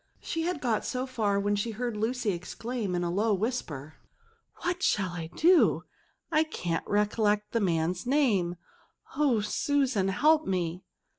She had got so far, when she heard Lucy exclaim in a low whisper, '^ What shall I do ! I can't recollect the man's name ; Oh Susan, help me!"